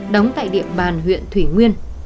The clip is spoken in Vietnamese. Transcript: đóng tại địa bàn huyện thủy nguyên